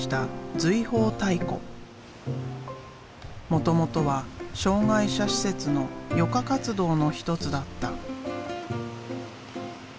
もともとは障害者施設の余暇活動の一つだった。